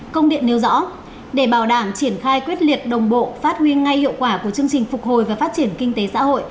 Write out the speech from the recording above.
công điện nêu rõ để bảo đảm triển khai quyết liệt đồng bộ phát huy ngay hiệu quả của chương trình phục hồi và phát triển kinh tế xã hội